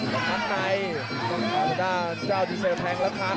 แล้วท่านในต้องกระดาษเจ้าที่เสี่ยวแพงรักษา